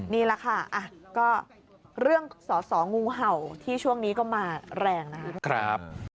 นี่แหละค่ะก็เรื่องสอสองูเห่าที่ช่วงนี้ก็มาแรงนะครับ